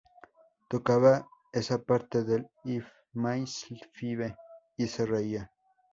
Tocaba esa parte de "If man is five" y se reía.